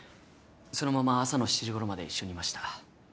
そのまま朝の７時ごろまで一緒にいました。